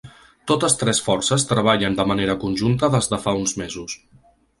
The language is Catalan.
Totes tres forces treballen de manera conjunta des de fa uns mesos.